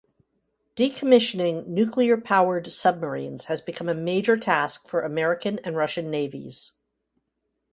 Decommissioning nuclear-powered submarines has become a major task for American and Russian navies.